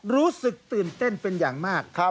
รู้สึกตื่นเต้นเป็นอย่างมาก